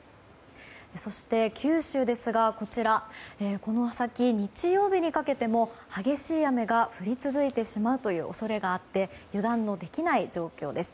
そして九州ですがこの先、日曜日にかけても激しい雨が降り続いてしまうという恐れがあって油断のできない状況です。